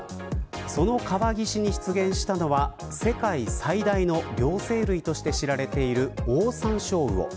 その川岸に出現したのは世界最大の両生類として知られているオオサンショウウオ。